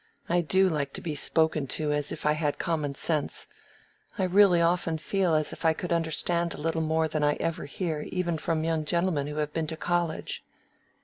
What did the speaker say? I do like to be spoken to as if I had common sense. I really often feel as if I could understand a little more than I ever hear even from young gentlemen who have been to college."